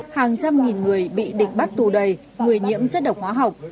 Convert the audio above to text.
hàng trăm nghìn người bị địch bắt tù đầy người nhiễm chất độc hóa học